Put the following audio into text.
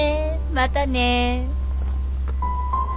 またね。